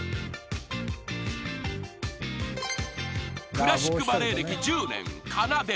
［クラシックバレエ歴１０年］